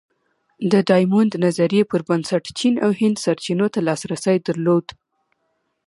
د ډایمونډ نظریې پر بنسټ چین او هند سرچینو ته لاسرسی درلود.